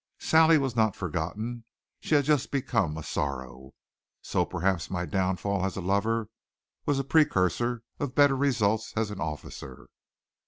Sally was not forgotten; she had just become a sorrow. So perhaps my downfall as a lover was a precursor of better results as an officer.